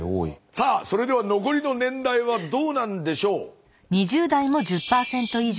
さあそれでは残りの年代はどうなんでしょう？